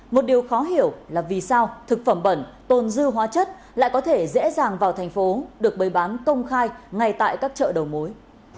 một điều khó hiểu là vì sao thực phẩm bẩn tồn dư hóa chất lại có thể dễ dàng vào thành phố được bày bán công khai ngay tại các chợ đầu mối